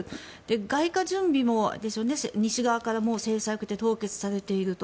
外貨準備も西側からもう制裁を受けて凍結されていると。